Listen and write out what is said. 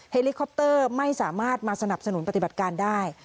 เฮลิคอปเตอร์ไม่สามารถมาสนับสนุนปฏิบัติการได้